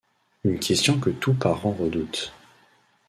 Une question que tout parent redoute.